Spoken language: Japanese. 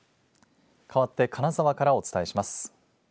かわって金沢からお伝えします。